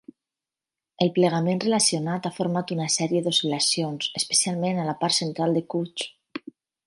El plegament relacionat ha format una sèrie d'oscil·lacions, especialment a la part central de Kutch.